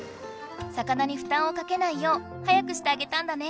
魚にふたんをかけないようはやくしてあげたんだね。